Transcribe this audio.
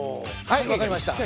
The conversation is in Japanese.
はい分かりました。